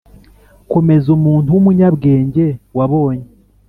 komeza umuntu w’umunyabwenge wa bonye